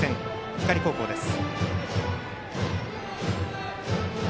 光高校です。